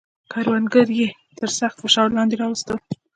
کروندګر یې تر سخت فشار لاندې راوستل.